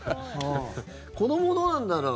子ども、どうなんだろう。